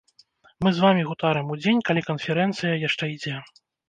Мы з вамі гутарым удзень, калі канферэнцыя яшчэ ідзе.